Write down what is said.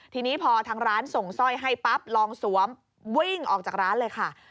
ทีนี้พอทางร้านส่งสร้อยให้ปั๊บลองสวมวิ่งออกจากร้านเลยค่ะ